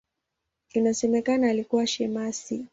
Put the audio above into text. Inasemekana alikuwa shemasi.